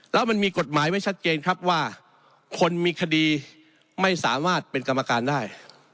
แล้วมันมีกฎหมายไว้ชัดเจนครับว่าคนมีคดีไม่สามารถเป็นกรรมการได้